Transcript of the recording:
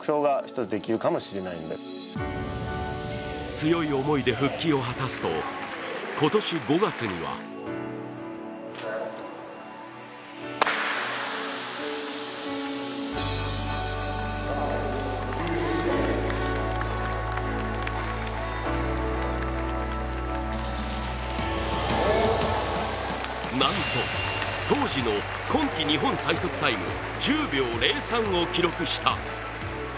強い思いで復帰を果たすと今年５月にはなんと、当時の今季日本最速タイム１０秒０３を記録した。